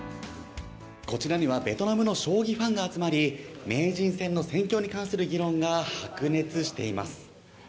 こちらにはベトナムの将棋ファンが集まり、名人戦の戦況に関する議論が白熱しています。